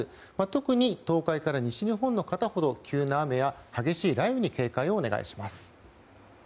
特に東海から西日本の方ほど急な雨や激しい雷雨に警戒をお願いします。